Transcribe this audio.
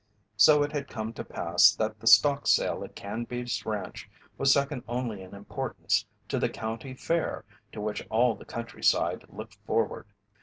So it had come to pass that the stock sale at Canby's ranch was second only in importance to the county fair to which all the countryside looked forward.